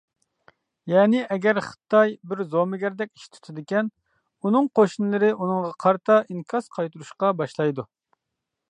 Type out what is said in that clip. يەنى، ئەگەر خىتاي بىر زومىگەردەك ئىش تۇتىدىكەن، ئۇنىڭ قوشنىلىرى ئۇنىڭغا قارىتا ئىنكاس قايتۇرۇشقا باشلايدۇ.